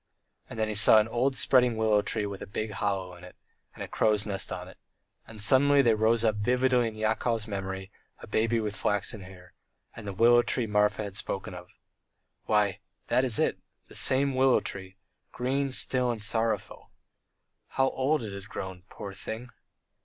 And then he saw an old spreading willow tree with a big hollow in it, and a crow's nest on it. ... And suddenly there rose up vividly in Yakov's memory a baby with flaxen hair, and the willow tree Marfa had spoken of. Why, that is it, the same willow tree green, still, and sorrowful. ... How old it has grown, poor thing!